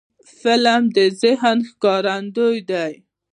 فلم د ذهن ښکارندوی دی